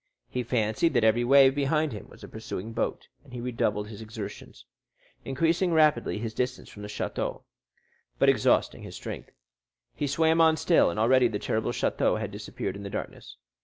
He fancied that every wave behind him was a pursuing boat, and he redoubled his exertions, increasing rapidly his distance from the château, but exhausting his strength. He swam on still, and already the terrible château had disappeared in the darkness.